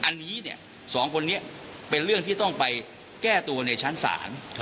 อันนี้สองคนนี้เป็นเรื่องที่ต้องไปแก้ตัวในชั้นศาล